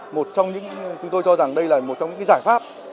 một trong những chúng tôi cho rằng đây là một trong những giải pháp